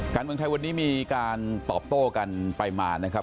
การเมืองไทยวันนี้มีการตอบโต้กันไปมานะครับ